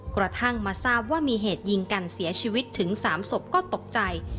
กระทั่งมาทราบว่ามีเหตุยิงกันเสียชีวิตถึง๓ศพก็ตกใจ